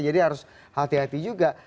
jadi harus hati hati juga